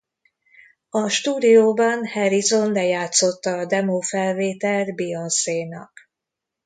A stúdióban Harrison lejátszotta a demó felvételt Beyoncénak.